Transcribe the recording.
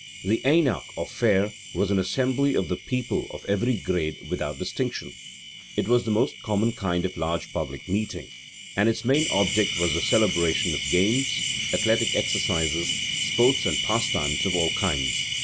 The Aenach or fair was an assembly of the people of every grade without distinction: it was the most common kind of large public meeting, and its main object was the celebration of games, athletic exercises, sports and pastimes of all kinds.